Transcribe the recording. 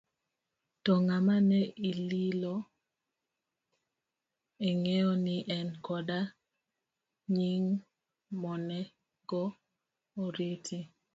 To ng'ama ne ililo, ing'eyo ni en koda nying' monego oriti?